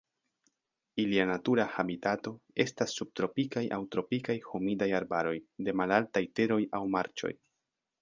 Ilia natura habitato estas subtropikaj aŭ tropikaj humidaj arbaroj de malaltaj teroj aŭ marĉoj.